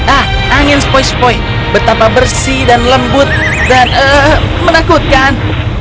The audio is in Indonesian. ah angin sepoi sepoi betapa bersih dan lembut dan menakutkan